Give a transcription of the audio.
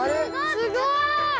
すごい！